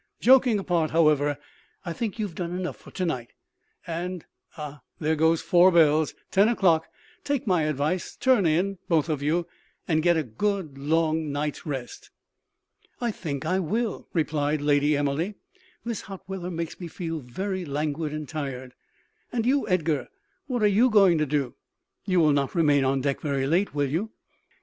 Joking apart, however, I think you have done enough for to night; and ah, there goes four bells ten o'clock take my advice, `turn in,' both of you, and get a good long night's rest." "I think I will," replied Lady Emily; "this hot weather makes me feel very languid and tired. And you, Edgar what are you going to do? You will not remain on deck very late, will you?"